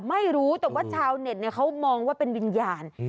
ไม่รู้แต่ว่าชาวเน็ตเขามองว่าเป็นวิญญาณ